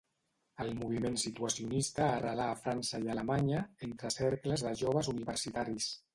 El moviment situacionista arrelà a França i Alemanya entre cercles de joves universitaris.